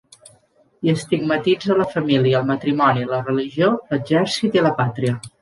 Hi estigmatitza la família, el matrimoni, la religió, l'exèrcit i la pàtria.